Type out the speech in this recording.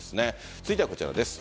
続いてはこちらです。